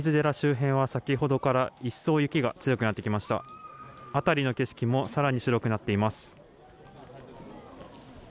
辺りの景色も更に白くなっています。